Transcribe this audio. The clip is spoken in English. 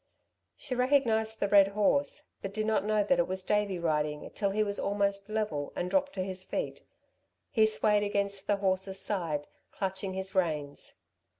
She recognised the red horse, but did not know that it was Davey riding till he was almost level, and dropped to his feet. He swayed against the horse's side, clutching his reins.